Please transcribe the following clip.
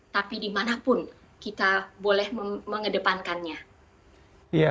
tapi dimanapun kita boleh mengedepankannya